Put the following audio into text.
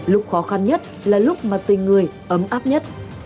lúc khó khăn nhất là lúc mà tình người ấm áp nhất